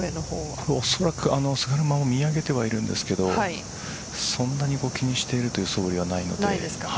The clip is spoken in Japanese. おそらく菅沼も見上げてはいるんですがそんなに気にしているそぶりはないです。